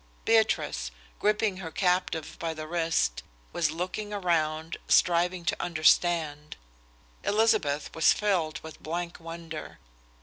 Beatrice, gripping her captive by the wrist, was looking around, striving to understand. Elizabeth was filled with blank wonder.